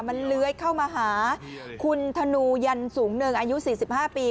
มันเลื้อยเข้ามาหาคุณธนูยันสูงเนินอายุ๔๕ปี